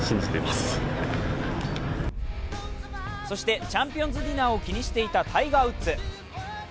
そしてチャンピオンズディナーを気にしていたタイガー・ウッズ。